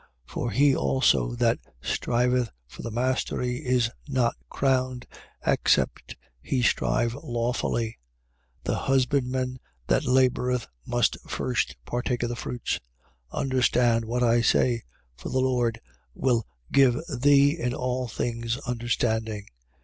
2:5. For he also that striveth for the mastery is not crowned, except he strive lawfully. 2:6. The husbandman that laboureth must first partake of the fruits. 2:7. Understand what I say: for the Lord will give thee in all things understanding.